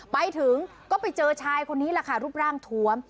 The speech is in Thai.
ไปถึงก็ไปเจอชายคนนี้แหละค่ะรูปร่างทวม